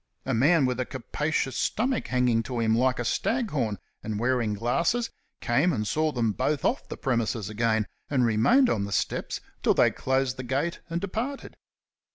A man with a capacious stomach hanging to him like a staghorn, and wearing glasses, came and saw them both off the premises again, and remained on the steps till they closed the gate and departed.